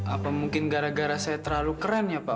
apa mungkin gara gara saya terlalu keren ya pak